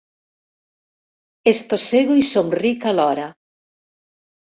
Estossego i somric alhora.